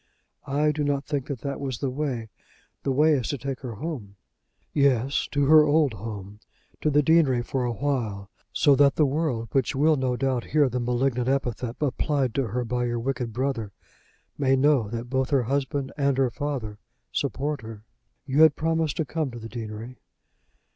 "I do not think that that was the way. The way is to take her home." "Yes; to her old home, to the deanery for a while; so that the world, which will no doubt hear the malignant epithet applied to her by your wicked brother, may know that both her husband and her father support her. You had promised to come to the deanery."